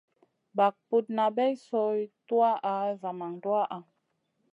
Bag putna bay soy tuwaʼa zaman duwaʼha.